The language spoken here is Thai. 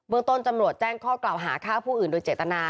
เมืองต้นจำรวจแจ้งข้อกล่าวหาฆ่าผู้อื่นโดยเจตนา